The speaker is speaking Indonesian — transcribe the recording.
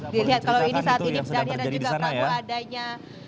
dilihat kalau ini saat ini daniel dan juga prabowo adanya